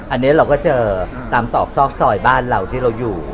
อันนี้เราก็เจอตามตอกซอกซอยบ้านเราที่เราอยู่